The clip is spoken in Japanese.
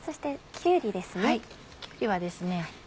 きゅうりはですね